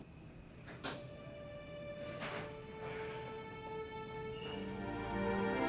ibu tidur ya